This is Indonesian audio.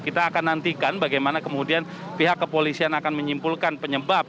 kita akan nantikan bagaimana kemudian pihak kepolisian akan menyimpulkan penyebab